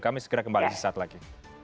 kami segera kembali sesaat lagi